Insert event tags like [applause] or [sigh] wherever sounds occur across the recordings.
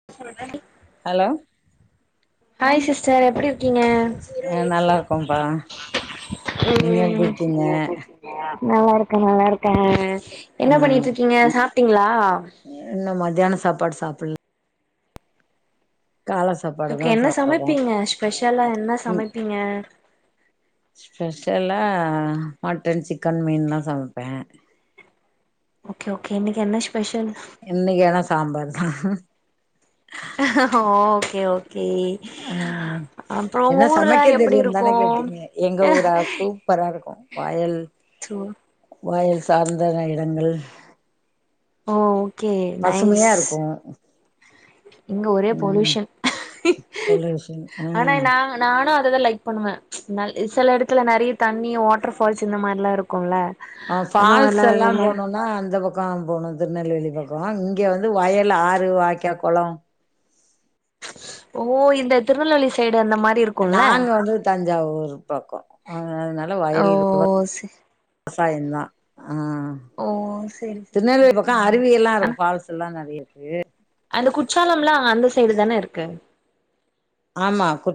[inaudible] Hello hi sister எப்டி இருக்கீங்க ஆ நல்லா இருக்கோம்ப்பா நீங்க எப்டி இருக்கீங்க நல்லாருக்கே நல்லாருக்கே என்ன ம் பண்ணிட்டு இருக்கீங்க சாப்டீங்ளா இன்னு மத்தியானோ சாப்பாடு சாப்பிட்ல கால சாப்பாடு ஓகே தா என்ன சாப்ட்ருக்கோ சமைப்பீங்க ஸ்பெஷலா என்ன ம் சமைப்பீங்க ஸ்பெஷலா மட்டன் சிக்கன் மீன் மசால்த ஓகே ஓகே இன்னைக்கி என்ன ஸ்பெஷல் இன்னைக்கி ஆனா சாம்பார் தா ஓகே ஓகே ஆ அப்றோ என்ன உங்க ஊர்ல சமைக்க எப்டி தெரியு தானே இருக்கு கேட்டீங்க எங்க ஊரா சூ ப்பரா இருக்கு வயல் சோ வயல் சார்ந்த நெலங்கள் ஓ ஓகே பசுமையா நைஸ் இருக்கு இங்க ஒரே ம் பொல்யூஷன் பொல்யூஷன் ஆனா ஆ நா நானு அததா லைக் பண்ணுவ சில எடத்துல நெறைய தண்ணி வாட்டர் ஃபால்ஸ் இந்த மாரிலா இருக்கும்ல ஆ ஃபால்ஸ் எல்லா போனோனா அந்த பக் பக்கோ போகணு திருநெல்வேலி பக்கோ இங்க வந்து வயல் ஆறு வாய்க்கா கொலோ ஓ இந்த திருநெல்வேலி சைடு அந்த மாரி இருக் நாங்க வந்து தஞ்சாவூர் பக்கோ அதனால ஓ வயல் விவ சே சாயோ தா ஆ ஓ சேரி சேரி திருநெல்வேலி சேரி பக்கோ சேரி அருவி எல்லா ஆனா இருக்கு பால்சு எல்லா நெறைய இருக்கு அந்த குற்றாளம் எல்லா அந்த சைடு தானே இருக்கு ஆமா கு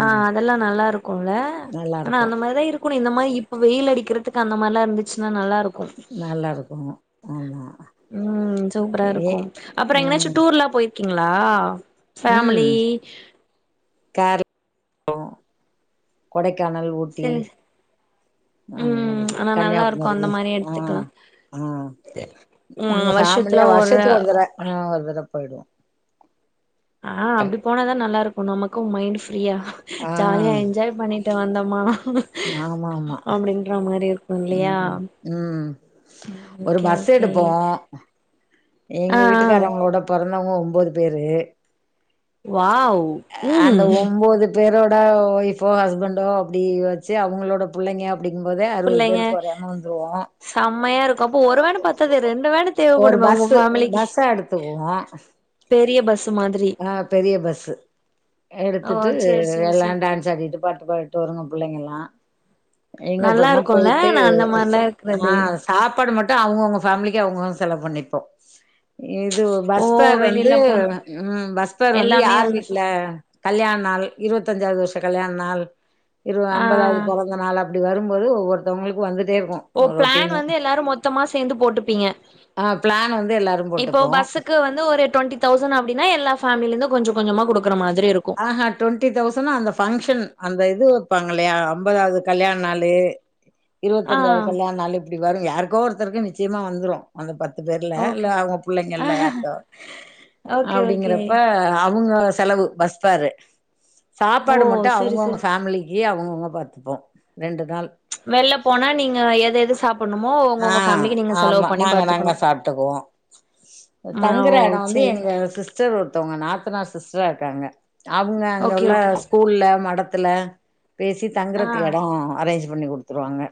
ஆ அதெல்லா நல்லா இருக்குல நல்லா ஆனா இருக்கு அந்த மாரிதா இரு க்கு இந்த மாரி இப்ப வெயில் அடிக்கிறதக்கு அந்த மாரிலா இருந்துச்சுன்னா நல்லா இருக் நல்லாருக்கு ஆமா ம் சூப்பரா ஏ இருக்கு அப்பறோ எங்கனாச்சு ம் டூர்லா போயிருக்கீங்ளா ம் [inaudible] கொடைக்கானல், ஊட்டி சேரி அந்த ம் மாதிரி ஆனா நல்லா இருக்கு அந்த கன்னியாகுமரி மாரி ஆ எடுத்துக்கலா ஆ நாங்க ம் வருஷத்துல ஃபேமிலியா வருஷத்துக்கு ஒரு தடவ அ ஒரு தடவ போயிடுவோ ஆ அப்டி போனாதா நல்லாருக்கு நமக்கு மைண்ட் ஃப்ரீயா ஆ ஜாலியா என்ஜாய் பண்ணி வந்தோமா ஆமாமா அப்டின்ற மாரி இருக்கு இல்லையா ம் ம் ஒரு ஓகே பஸ் ஓகே எடுப்போ எங்க ஆ ஆ வீட்டுக்கார் அவங்களோட பொறந்தவங்க ஒம்பது பேரு வாவ் அந்த ம் ஒன்பது பேரோட ஒய்போ ஹஸ்பண்டோ அப்டி வெச்சு அவங்களோட பிள்ளைங்க அப்டிங்கும்போது அறுபது புள்ளைங்க பேருக்கு கொரையாம வந்துருவோ செம்மையா இருக்கு அப்போ ஒரு வேணு பத்தாது ரெண்டு வேண் ஒரு தேவப்படுமே உங்க பஸ்ஸு ஃபேமிலிக்கு பஸ்ஸா எடுத்துக்குவோ பெரிய பஸ் அ பெரிய பஸ்ஸு ஓ எடுத்துட்டு சேரி சேரி எல்லா சேரி டான்ஸ் சரிட்டு பாட்டு பாட்டுட்டு வருங்க புள்ளைங்க எல்லா எங்க நல்லா அப்பறமா இருக்குல்ல போயிட்டு நா அந்த ஸ் மாரிலா ஆ இருக்கறது சாப்பாடு மட்டு அவுங்க அவுங்க ஃபேமிலிக்கு அவுங்க செலவு பண்ணிப்போ இது ஓ பஸ்ஃபேர் வந்து வெளில போனா ம் பஸ்ஃபேர் வந்து யார் வீட்ல கல்யாண நாள் இருவத்தஞ்சாவது வருஷ கல்யாண நாள் இரு ஆ ஐம்பதாவது போறந்த நாள் அப்டி வரும்போது ஒவ்வொருத்தவங்களுக்கு வந்துட்டே இருக்கு ஓ பிளான் ரொட்டீனு வந்து எல்லாரு மொத்தமா சேந்து போட்டுப்பீங்க ஆ பிளான் வந்து எல்லாரு இப்போ போட்டுப்போ பஸ்ஸுக்கு வந்து ஒரு டுவெண்டி தௌசன் அப்டினா எல்லா ஃபேமிலில இருந்து கொஞ்ச கொஞ்சமா குடுக்குற மாதிரி இருக் ஆஹ டொண்ட்டி தௌசன் அந்த பங்க்ஷன் அந்த இது வப்பாங்க இல்லையா ஐம்பதாவது கல்யாண நாளு ஆ இருவத்தஞ்சாவது கல்யாண நாளு இப்டி வரு யாருக்கோ ஒருத்தருக்கு நிச்சயமா வந்துரு அந்த பத்து பேர்ல இல்ல ஓகே அவுங்க புள்ளைங்கல்ல யாருக்கோ ஓகே ஓகே அப்டிங்கிறப்ப அவுங்க செலவு பாரு ஓ சாப்பாடு மட்டு செரி அவுங்கவுங்க செரி ஃபேமிலி யே அவுங்கவுங்க பாத்துப்போ ரெண்டு நாள் வெளில போனா நீங்க எத எது சாப்பிடணுமோ உங்க ஆ உங்க ஃபேமிலிக்கு நீங்க செலவு ஆமா. பண்ணி பா நாங்க, நாங்க சாப்ட்டுக்குவோ [unintelligible] ஆ தங்குற ஓ எடோ வந்து செரி எங்க சிஸ் ஸ்டர் ஒருத்தவங்க நாத்தனார் சிஸ்டராக இருக்காங்க அவுங்க அங்க ஓகே உள்ள ஓகே ஸ்கூல்ல மடத்துல பேசி ஆ தங்குறதுக்கு எடோ அரேஞ்ச் பண்ணி குடுத்துருவாங்க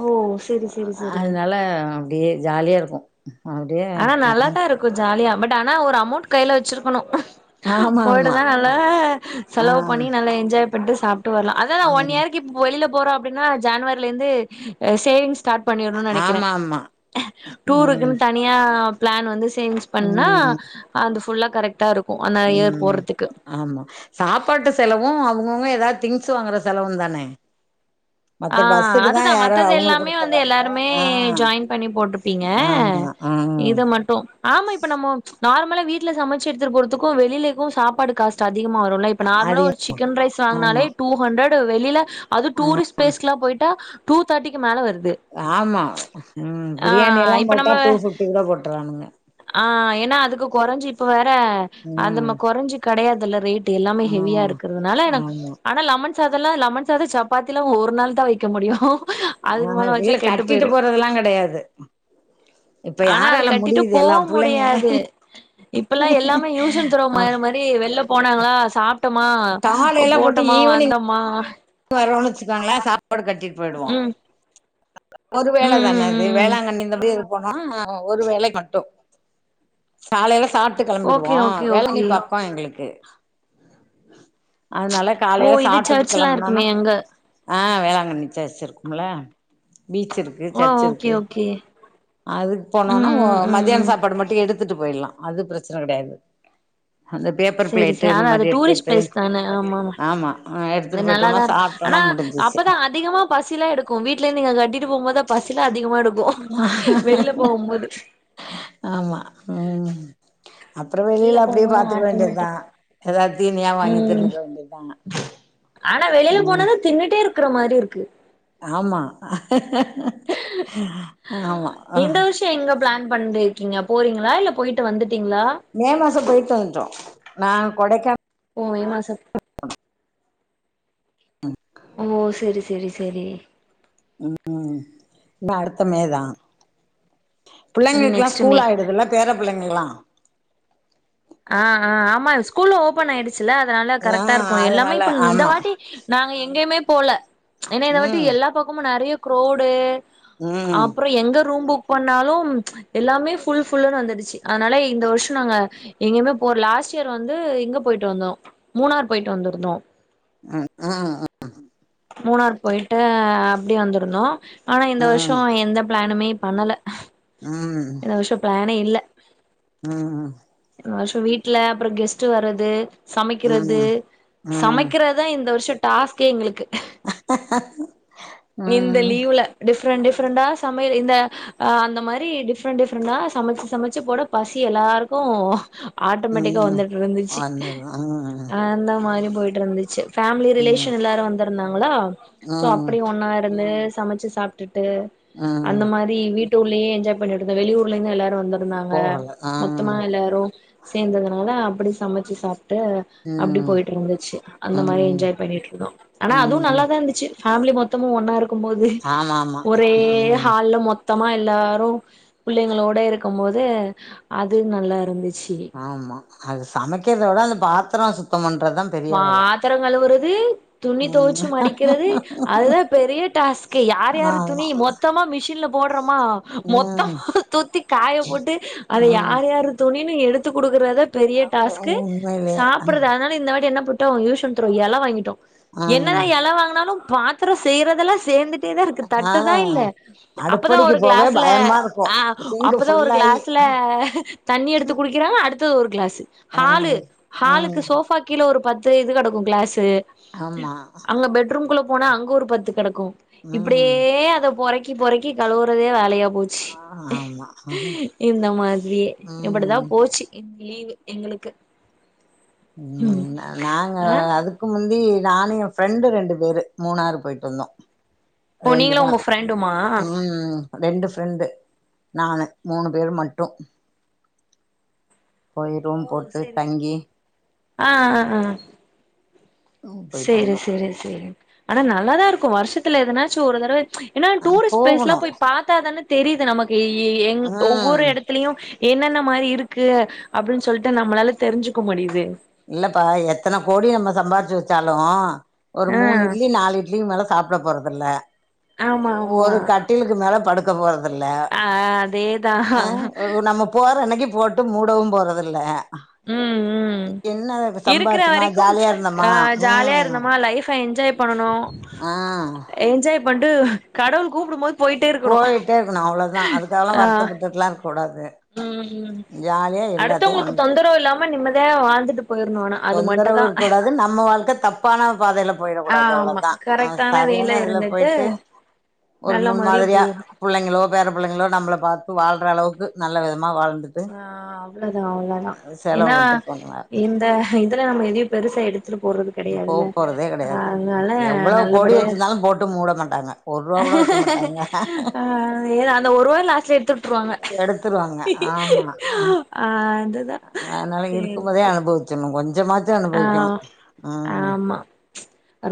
ஓ செரி செரி செரி அதுனால அப்டியே ஜாலியா இருக்கு அப்டியே ஆனா நல்லாதா இருக்கு ஜாலியா பட் ஆனா ஒரு அமௌண்ட் கைல வச்சிருக்கணு ஆமா ஆமா ஓடுனா நல்லா ஆ செலவு பண்ணி நல்லா என்ஜாய் பண்ணிட்டு சாப்ட்டு வரலா அதா ஒன் ஆமா இயர் இப் வெளில போறோ அப்டின்னா ஜான்வரில இருந்து அ சேவிங்ஸ் ஸ்டாட் பண்ணிருனுனு நெனைக்கிறே ஆமா ஆமா ம் டூருக்குன்னு த நீயா பிளான் வந்து சேல்ஸ் பண்ணா ம் அது ஃபுல்லா கரெக்டா இரு கு ஆனா ஏர் ம் போடுறதுக்கு ஆமா சாப்பாட்டு செலவு அவுங்கவுங்க ஏதாவது திங்ஸ் வாங்குற செலவும் தானே ஆ மத்த பஸ்ஸுக்கு தா அதுதா யாரோ மத்தது அவங்க எல்லாமே வந்து குடுத்துறாங்க எல்லாருமே ஆ ஜாயின் பண்ணி போட்ருப்பீங்க ஆமா ஆ இத மட் டு ஆமா இப்ப நம்மோ நார்மலா வீட்ல சமச்சு எடுத்துட்டு போறதுக்கு வெளிலக்கு சாப்பாடு காஸ்ட் அதிகமா வருல ப்ப அது நார்மலா ஒரு சிக்கன் ரைஸ் வாங்குனாலே ஆமா டூ ஹண்ட்ரட் வெளில அது டூரிஸ்ட் ப்ளேஸ்க்கு எல்லா போய் ட்டா டூ தேட்டிக்கு மேல வருது ஆமா ம் ஆ பிரியாணி எல்லா இப்ப நம்ம போட்டா டூ ஃபிஃப்டி கூட போட்டுரானுங்க ஆ ஏனா அதுக்கு கொறஞ்சு இப்ப வேற அந்த ம் ம கொறஞ்சி கிடையாதுல்ல ரேட் ட்டு எல்லாமே ஆ ஹெவியா இருக்கிறதுனால எனக் ஆமா ஆனா லெமன் சாதல்லா லெமன் சாதம் சப்பாத்தில் மு ஒரு நாள் தா வைக்க முடியு ஆ இல்ல கட்டிட்டு போறதெல்லா கெடையாது இப்ப ஆனா அது யாரால கட்டிட்டு முடியுது போ எல்லா புள்ளைங்க முடியாது இப்ப எல்லா எல்லாமே யூஸ் அண்ட் த்ரோ மா ஆமா. மாரி வெள்ள போனாங்களா சாப்ட்டோமா போட்டோமா வந்தோமா வரோ வெச்சுக்காங்களா சாப்பாடுகட்டி டு போய்டுவோ ம் ஒரு ம் வேலதான ம் அது ம் ம் வேளாங்கண்ணில போய் இருப் போனா ஒரு வேலை மட்டு சாலைல சாப்ட்டு ஓகே கெளம்பிடுவோ ஓகே வேளாங்கண்ணி ஓகே பாக் போ எங்களுக்கு அதனால ஓ காலைல இது சாப்ட்டுட்டு சர்ச்லா கெளம் னோனா இருக்குமே அங்க ஆ வேளாங்கண்ணி செர்ச் இருக்கும்ல பீச் இருக் கு ஓ செர்ச் ஓகே இருக்கு ஓகே அதுக்கு ம் போனோனா ம் ம் மதியானோ ம் சாப்பாடு மட்டு எடுத் துட்டு போய்ட்லா அது ப்ரச்சன கடையாது அந்த பேப்பர் செரி ப்ளேட்டு செரி இந்த ஆனா அது மாரி டூரிஸ்ட் எடுத்துட்டு பிளேஸ் தான ஆமா ஆமா ஆ எடுத் அது துட்டு போய்ட்டோனா நல்லாதா இருக்கு சாப்ட்டோனா ஆனா முடிஞ்சிச்சு அப்பதா அதிகமா பசிலா எடுக்கு வீட்ல இருந்து நீங்க கட்டிட்டு போம்போது பசிலா அதிகமா எடுக் கு வெளில போகும்போது ஆமா ம் அப்புறோ வெளில அப்டியே போகும்போது பாத்துக்க வேண்டியத்தா ஆட்டோமேட்டிக் எதாத் தீனியா வாங்கி ம் தின்னுக்க வேண்டியத்தா ம [unintelligible] ஆனா வெளில போனாதா தின்னுட்டே இருக்குற மாரி இருக்கு ஆமா ஆமா இந்த வருஷோ எங்க ப்ளான் பண்ணிருக்கீங்க போறீங்களா இல்ல போய்ட்டு வந்துட்டீங்ளா மே மாசோ போய்ட்டு வந்ட்டோ நா கொடைக்கான் ஓ மே மாசோ ஆ ஓ செரி செரி செரி ம் இன்னு அடுத்த மேதா இனி புள்ளைங்களுக்குல்லா நெக்ஸ்ட் மே ஸ்கூல் ஆய்டுதுல பேர புள்ளைங்களா ஆ ஆ ஆமா ஸ்கூல்லு ஓப்பன் ஆய்டுச்சுல்ல அதனால ஆ கரெக்டா இருக்கு எல்லாமே அதனால இப்ப இந்த ஆமா வாட்டி நாங்க எங்கயுமே போல எனா இந்த வாட்டி ம் எல்லா பக்கமு நறைய க்ரோடு ம் அப்பறோ எங்க ரூம் புக் பண்ணாலும் எல்லாமே ஃபுல் ஃபுல்லுனு வந்துடுச்சு அதனால இந்த வர்ஷோ நாங்க எங்கயுமே போற லாஸ்ட் இயர் வந்து இங்க போய்ட்டு வந்தோ மூணார் போய்ட்டு வந்திருந்தோ அ ஆ அ மூணார் போய்ட்டு அப்டி வந்திருந்தோ ஆனா இந்த ம் வர்ஷோ ம் எந்த ப்ளானுமே பண்ணல ம் இந்த வர்ஷோ ப்ளானே இல்ல ம் ம் இந்த வர்ஷோ வீட்ல அப்புறோ கெஸ்ட்டு வர்றது சமைக்கிறது ம் ம் சமைக்கிறத் தா இந்த வர்ஷோ டாஸ்க்கே எங்களுக்கு இந்த ம் லீவ்ல டிஃப்ரெண்ட் டிஃப்ரெண்டா சமையல் இந்த அ அந்த மாரி டிஃப்ரெண்ட் டிஃப்ரெண்டா சமைச்சு சமைச்சு போட பசி எல்லாருக்கு ஆட்டோமேட்டிக்கா ம் வந்துட்ருந்துச்சு வந்துரு அந்த மாரி போய்ட்ருந்துச்சு ஃபேமிலி ம் ம் ரிலேஷன் எல்லாரு வந்துருந்தாங்களா சோ ம் அப்புடி ஒன் ஒன்னா இருந்து சமச்சு சாப்ட்டுட்டு ம் அந்த மாரி ரி வீட்டு உள்ளயே என்ஜாய் பண்ணிருந்தே வெளியூர்ல இருந்து எல்லாரு வந்திருந்தாங்க போகல ம் மொத்தமா எல்லாரு சேந்ததுனால அப்டி சமச்சு சாப்ட்டு அப்டி ம் போய்ட்ருந்துச்சு அந்த மாரி ம் என்ஜாய் பண்ணிட்ருந்தோ ஆனா அதுவு ம் நல்லாதா இருந்துச்சு ஃபேமிலி மொத் தமு ஒன்னா இருக்கும்போது ஆமா ஆமா ஒரே ம் ஹால்ல மொத் மொத்தமா எல்லாரு பிள்ளைங்களோட இருக்கும் போது அது நல்லா இருந்துச்சி ஆமா அது சமைக்கிறத விட அந்த பாத்தரோ சுத்தம் பண்ணுறதுதா பாத்தரோ கழுவுறது துணி ம் தொவச்சி மடிக்கிறது அதுதா பெரிய டாஸ்க்கு யார் யாரு துணி ஆமா மொத்தமா மிஷின்ல போடுறமா ம் மொத்தமமா தொத்தி காய போட்டு அத ம் யார் யாரு துணினு எடுத்துக் குடுக்குறதே பெரிய டாஸ்க் உண்மையிலே சாப்ட்றது அதனால இந்த வாட்டி என்ன பண்ட்டோ யூஸ் அண்ட் த்ரோ எல வாங்கிட்டோ என்னதா ம் எல வாங்குனாலு பாத்தரோ செய்யறதெல்லா சேந்துட் டேதா இருக்கு ஆ தட்டு தா இல்ல அப்பதா அடுப்படிக்கு ஒரு போவே கிளாஸ்ல பயமா இருக்கு ஆ சிங்க் அப்பதா ஒரு ஃபுல்லாயி கிளாஸ் ல தண்ணி எடுத்து குடிக்கிறாங்க அடுத்தது ஒரு கிளாஸ் ஆ ஹாலு ஹாலுக்கு ம் சோபாக்கு கீழ ஒரு பத்து இது கெடக்கு கிளாஸ் ஆமா அங்க பெட்ரூம் குள்ள போனா அங்க ஒரு பத்து கெடக்கு ம் இப்டியே அத பொறக்கி பொறக்கி கழுவுறதே வேலையா போச் ஆமா இந்த மாதிரியே இப்டிதா ம் போச்சி இன்னக்கி லீவு எங்களுக்கு ம் நா நாங்க ஆ அதுக் கு முந்தி நானு ஏ ஃப்ரெண்டு ரெண்டு பேரு மூணாறு போயிட்டு வந்தோ ஓ ரெண்டு நீங்களு நாள் உங்க ஃப்ரெண்டுமா ம் ம் ரெண்டு ஃப்ரெண்டு நானு மூணு பேர் மட்டு போய் ரூம் ஓ போட்டு சேரி தங்கி ஆ ஆ ஆ போயிட்டு சேரி வந்தோ சேரி சேரி ஆனா நல்லாதா இருக்கு வருஷத்துல எதனாச்சு ஒரு தரவ ஏன்னா அ டூரிஸ்ட் பிளேஸ்லா போகணு போய் பாத்தாதன தெரியிது நமக்கு எ எ எங் ஒவ்வொரு ம் எடத் திலயு என்னென்ன மாரி இருக்கு அப்டின் சொல்ட்டு நம்மளால தெரிஞ்சிக்க முடியுது இல்லப்பா எத்தன கோடி நம்ம சம்பாரிச்சி வச்சாலு ஒரு ஆ மூணு இட்லி நாலு இட்லிக்கி மேல சாப்ட போறதில்ல ஆமா ஆமா ஒரு கட்டிலுக்கு மேல படுக்க போறதுல்ல ஆ அதேதா ஆ நம்ம போற அன்னக்கி போட்டு மூடவு போறதில்ல என்ன இருக்குற சம்பாரிச்சமா வரைக்கும் ஜாலியா ஆ இருந்தமா ஜாலியா ம் இருந்தோமா லைஃப என்ஜாய் பண்ணனு ஆ என்ஜாய் பண்ட்டு கடவுள் கூப்டும் போது போயிட்டே இருக்கணு போயிட்டே இருக்கணு அவ்ளோதா அதுக்காவலா ஆ வருத்தப்பட்டுட்லா இருக்க கூடாது ம் ம் ஜாலியா எல்லாத்தையு அடுத்தவுங்குளுக்கு அனுபவி தொந்தரவு இல்லாம நிம்மதியா வாழ்ந்துட்டு போயிரணு ஆனா அது தொந்தரவு மட்டுந்தா இருக்க கூடாது நம்ம வாழ்க்க தப் பான பாதைல போயிட கூடாது ஆமா அவ்ளதா ஆ கரெக்டான வேல சரியான இதுல இருந்துட்டு போயிட்டு ஒரு நல்ல முன் முறைல மாதிரியா போயிரணு புள்ளைங்களோ பேர புள்ளைங்களோ நம்மள பாத்து வாழ்ற அளவுக்கு நல்ல விதமா வாழ்ந்து ஆ அவ்ளதா அவ்ளதா செலவு ஏன்னா பண்ட்டு போணுங்க இந்த இதுல நம்ம எதையு பெருசா எடுத்துட்டு போறது போ கெடையாதுல்ல போறதே ஆ கெடையாது அதுனால எவ்ளோ கோடி நல்லபடியா வச்சிருந்தாலு போட்டு மூட மாட்டாங்க ஒரு ரூபா கூட வைக்க மாட்டாங்க ஆ ஏன்னா அந்த ஒரு வாய் லாஸ்ட்ல எடுத்து வுட்ருவாங்க எடுத்துருவாங்க ஆமா ஆ அதுதா சேரி சே ச்சு இன்னு கொஞ்சமாச்சு அனுபவிக்கணு ம் ஆமா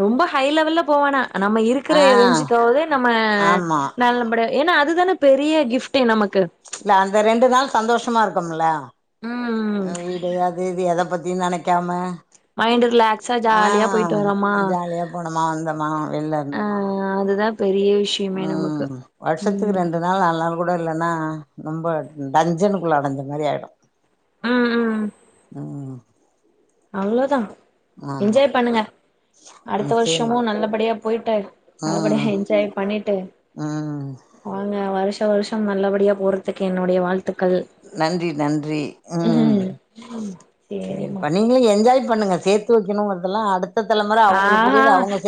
ரொம்ப ஹை லெவல்ல போவேனா நம்ம இருக்குற ஆ ரேஞ்சுக்காவது நம்ம ஆமா நல்லபடியா ஏன்னா அதுதான பெரிய கிஃப்ட்டே நமக்கு இல்ல அந்த ரெண்டு நாள் சந்தோஷமா இருக்கும்ல ம் ஆ வீட் அது இது எத பத்தியு நெனைக்காம மைண்டு ரிலாக்ஸா ஆ ஜாலியா போயிட்டு வரோமா ஜாலியா போனோமா வந்தோமா வெளில ஆ இருந்தோமா அதுதா பெரிய விஷ் ம் வருஷத்துக்கு ரெண்டு நாள் நாலு நாள் கூட இல்லன்னா ரொம்ப டஞ்சனுக்குள்ள அடஞ்ச மாரி ஆயிடும் ம் ம் ம் அவ்ளோதா ஆமா என்ஜாய் பண்ணுங்க அடுத்த நிச்சயமா வருஷமும் நல்லபடியா போயிட்டு நல்லபடியா ம் என்ஜாய் பண்ணிட்டு ம் வாங்க வருஷோ வருஷம் நல்லபடியா போறதுக்கு என்னுடைய வாழ்த்துக்கள் நன்றி நன்றி ம் சேரிம்மா சேரிப்பா நீ நீங்க என்ஜாய் பண்ணுங்க சேத்து வைக்கனுங்றதுள்ள அடுத் ஆ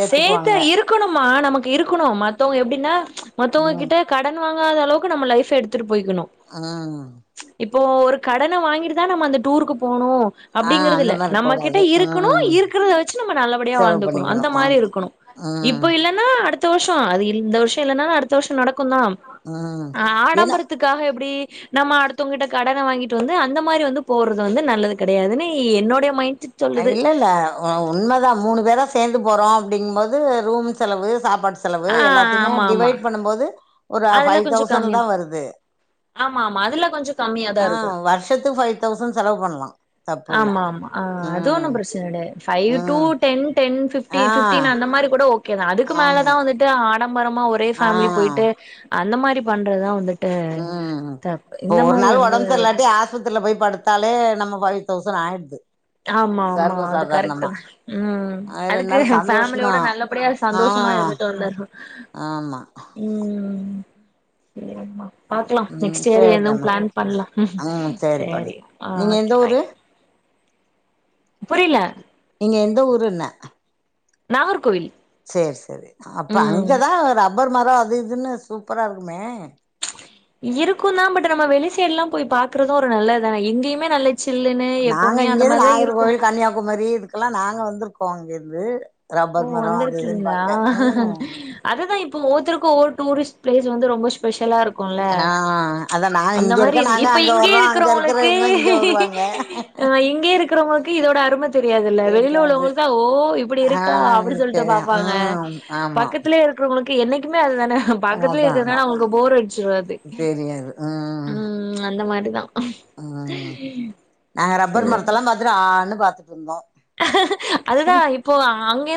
சேத்து இருக்கணுமா நமக்கு இருக்கணு மத்தவங்க எப்டின்னா மத்தவங்க ம் கிட்ட கடன் வாங்காத அளவுக்கு நம்ம லைஃப எடுத்துட்டு போயிக்கணு ம் இப்போ ஒரு கடன வாங்கிட்டு தான் நம்ம அந்த டூருக்கு போனு ஆ அப்டிங்கிறது அந்த இல்ல மாரி நம்ம கிட்ட கூடாது இருக்கணு ம் இருக்கறத வச்சு நம் நல்லபடியா செலவு வாழ்ந்துக்கணு பண்ணிக்கணு அந்த மாரி ஆமா இருக்கணு ம் இப்போ இல் லனா அடுத்த வருஷசோ அது இல் இந்த வருஷம் இல்லனா அடுத்த வருஷம் நடக்கு தா ம் ஏன்னா ஆடம்பரத்துக் காக எப்டி நம்ம அடுத்தவங்கிட்ட கடனை வாங்கிட்டு வந்து அந்த மாரி வந்து போறது வந்து நல்லது கிடையாதுன்ன என்னோடைய மைண்ட் [inaudible] இல்ல இல்ல அ உண்மதா மூணு பேரா சேந்து போறோ அப்டிங்கு போது ரூம் செலவு சாப்பாடு செலவு ஆ எல்லாத்தையுமே ஆமா ஆமா டிவைட் பண்ணும்போது ஒரு ஃபைவ் தௌசண்ட் தா வருது ஆமாம்மா அதுல கொஞ்சோ கம்மியாதா ஆ இருக்கு வருஷத்துக்கு ஃபைவ் தௌசண்ட் செலவு பண்லா தப்புல்ல ஆமாமா ஆ அது ஒண்ணு ம் பிரச்சன கெடையாது ஃபைவ் டூ ம் டென் டென் ஃபிப் ஃபிப்டீ ஆ ஃபிப்டீன் அந்த மாரி கூட ஓகே தா அதுக்கு ஆமா மேலதா வந்துட்டு ஆடம்பரமா ஒரே ஆ ஃபேமிலி போயிட்டு அந்த மாரி பண்றதுதா வந்துட்டு ம் தப்பு இப்ப இந்த ஒரு மாரி நாள் வந்து ஒடம் சரியில்லாட்டி ஆஸ்பத் திரில போயி படுத்தாலே நம்ம பைவ் தௌசண்ட் ஆயிடுது ஆமா ஆமா சர்வ அது கரெக்ட் தா சாதாரணமா ம் ஆ, ரெண்டு அதுக்கு நாள் சந்தோஷமா ஃபேமிலியோட நல்லபடியா ஆ சந்தோஷமா இருந் ஆமா உம் சேரிம்மா பாக்கலா ம் நெக்ஸ்ட் இயர் என்னு சேரிடாமா பிளான் பண்ணலா ம் சேரிப்பாடி சேரி நீங்க எந்த ஓகே ஊரு தேங் புரில நீங்க எந்த ஊருன்ன நாகர்கோவில் சே செரி அப்போ ம் அங்க தா ரப்பர் மரம் அது இதுன்னு சூப்பராக இருக்குமே இருக்கு தா பட் நம்ம வெளி டைடுல்லா போயி பாக்குறது ஒரு நல்ல தானே எங்கயையும்மே நல்ல சில்லுன்னு நாங்க எப்பவுமே அந்த இங்கந்து மாரிதான் இருக்கும் நாகர்கோவில் கன்னியாகுமரி இதுக்குல்லா நாங்க வந்திருக்கோ அங்கிருந்து ஓ வந்திருக்கீங்களா அதுதா இப்போ ஒவ்வொத்தர்க்கு ஒவ்வொரு டூரிஸ்ட் பிளேஸ் வந்து ரொம்ப ஸ்பே ஷலா இருக்குல்ல ஆ அதா நாங்க அந்த இங்க மாரி இருக்க இது நாங்க இப்ப அங்க இங்கே வர்றோ அங்க இருக்கிறவங்களுக்கு இருக்கிறவங்க இங்க வருவாங்க ஆ இங்கே இருக்கிறவங்களுக்கு இதோட அரும தெரியாதுல்ல வெளியில தெரியாது உள்ளவங்களுக்கு தா ஓ இப்டி இருக் ஆ க அப்டி சொல்லிட்டு இருக்கு பாப்பாங்க ம் ஆமா பக்கத்திலயே இருக்கிறவங்களுக்கு என்னைக்குமே அதுதானே பக்கத்துலயே அதா இருக்கறது அதா நால அவங்களுக்கு போர் அடிச்சிருது ம் அந்த மாரிதா ம் நாங்க ரப்பர் சேரி மரத்துல்லா பாத்துட்டு ஆன்னு பாத்துட்டு இருந்தோ அதுதா இப்போ அங்க